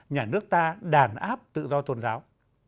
nhà nước ta đàn áp tự do tôn giáo